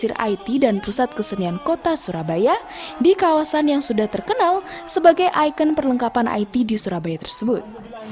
pemkot surabaya ini akan menjadi pusat kesenian it dan pusat kesenian kota surabaya di kawasan yang sudah terkenal sebagai ikon perlengkapan it di surabaya tersebut